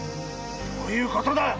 どういうことだ！